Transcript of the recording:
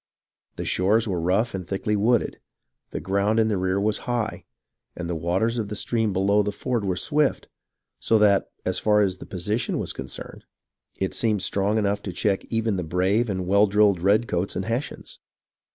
The shores were rough and thickly wooded, the ground in the rear was high, and the waters of the stream below the ford were swift; so that, as far as the posi tion was concerned, it seemed strong enough to check even the brave and well drilled redcoats and Hessians.